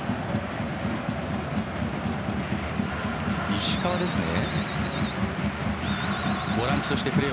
石川ですね。